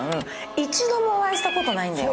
一度もお会いしたことないんだよ。